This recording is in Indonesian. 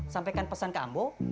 sampaikan pesan ke ambo